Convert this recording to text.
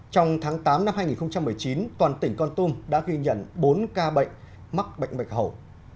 trong tháng tám năm hai nghìn một mươi chín toàn tỉnh con tum đã ghi nhận bốn ca bệnh mắc bệnh bạch hầu